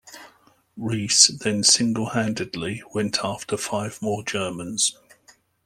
Rees then single handedly went after five more Germans.